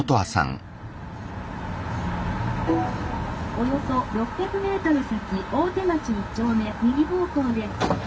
「およそ６００ｍ先大手町１丁目右方向です」。